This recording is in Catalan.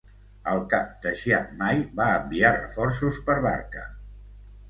El cap de Chiang Mai va enviar reforços per barca.